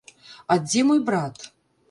А дзе мой брат?